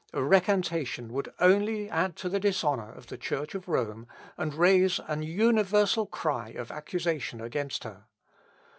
A recantation would only add to the dishonour of the Church of Rome, and raise an universal cry of accusation against her.